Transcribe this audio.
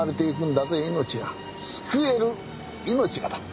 救える命がだ。